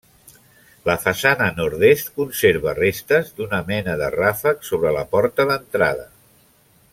La façana nord-est conserva restes d'una mena de ràfec sobre la porta d'entrada.